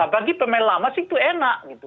bagi pemain lama sih itu enak gitu